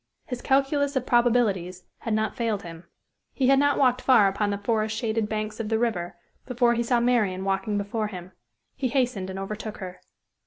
His "calculus of probabilities" had not failed him. He had not walked far upon the forest shaded banks of the river before he saw Marian walking before him. He hastened and overtook her.